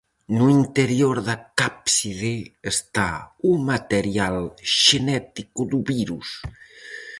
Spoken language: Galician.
No interior da cápside está o material xenético do virus.